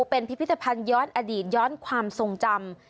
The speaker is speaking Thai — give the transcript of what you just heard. เป็นพิพิธภัณฑ์ย้อนอดีตย้อนความทรงจำ